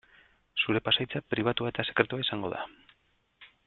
Zure pasahitza pribatua eta sekretua izango da.